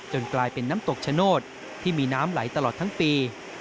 กลายเป็นน้ำตกชะโนธที่มีน้ำไหลตลอดทั้งปี